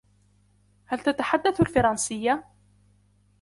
هل تتحدث الفرنسية؟